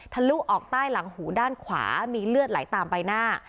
ลุออกใต้หลังหูด้านขวามีเลือดไหลตามใบหน้า